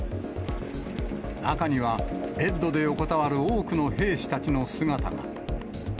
中にはベッドで横たわる多くの兵士たちの姿が。